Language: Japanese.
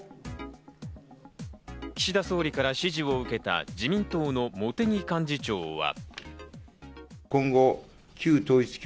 岸田総理から指示を受けた自民党の茂木幹事長は。